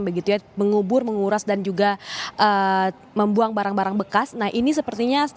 begitu ya mengubur menguras dan juga membuang barang barang bekas nah ini sepertinya